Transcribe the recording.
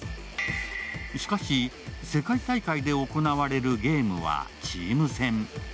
しかし、世界大会で行われるゲームはチーム戦。